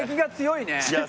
いや